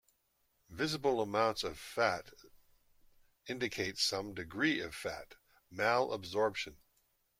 Visible amounts of fat indicate some degree of fat malabsorption.